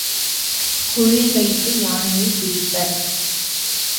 குழி வைத்து யானையைப் பிடிப்பர்.